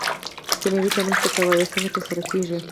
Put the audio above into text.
کیمیاوي تعامل څه ته وایي او څنګه ترسره کیږي